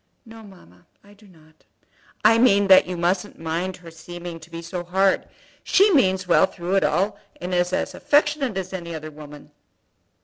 "No, mamma; I do not." "I mean that you mustn't mind her seeming to be so hard. She means well through it all, and is as affectionate as any other woman."